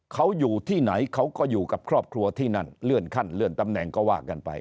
เขาอยู่ที่ไหนเขาก็อยู่กับครอบครัวที่นั่นเลื่อนขั้นเลื่อนตำแหน่งก็ว่ากันไป